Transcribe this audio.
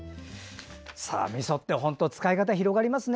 みそって本当使い方広がりますね。